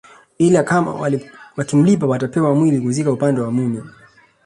ila kama wakimlipia watapewa mwili kuzika upande wa mume